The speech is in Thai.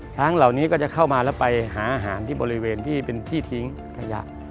ช้างเหล่านี้ก็จะเข้ามาแล้วไปหาอาหารที่บริเวณที่เป็นที่ทิ้งขยะ